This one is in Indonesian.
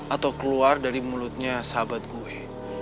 atau keluar dari mulutnya sahabat gue